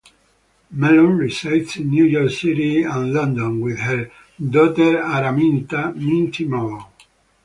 Mellon resides in New York City and London with her daughter, Araminta "Minty" Mellon.